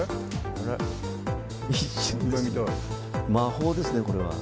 魔法ですね、これは。